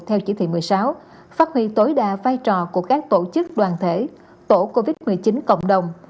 theo chỉ thị một mươi sáu phát huy tối đa vai trò của các tổ chức đoàn thể tổ covid một mươi chín cộng đồng